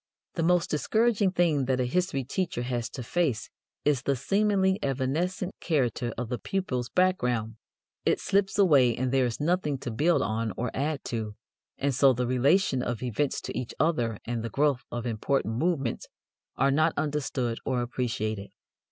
The most discouraging thing that a history teacher has to face is the seemingly evanescent character of the pupils' background. It slips away and there is nothing to build on or add to, and so the relation of events to each other and the growth of important movements are not understood or appreciated.